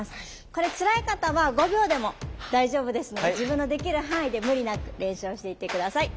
これつらい方は５秒でも大丈夫ですので自分のできる範囲で無理なく練習をしていって下さい。